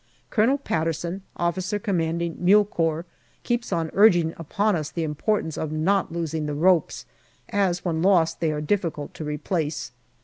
Colonel Patterson, O.C. Mule Corps, keeps on urging upon us the importance of not losing the ropes, as when lost they are difficult to replace.